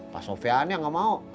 pak sofian yang gak mau